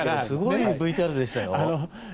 すごいＶＴＲでしたよ。